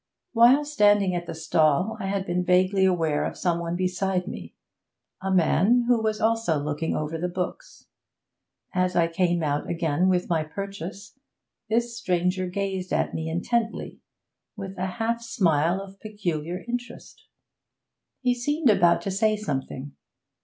While standing at the stall, I had been vaguely aware of some one beside me, a man who also was looking over the books; as I came out again with my purchase, this stranger gazed at me intently, with a half smile of peculiar interest. He seemed about to say something.